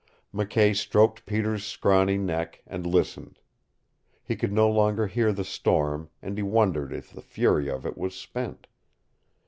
McKay stroked Peter's scrawny neck, and listened. He could no longer hear the storm, and he wondered if the fury of it was spent.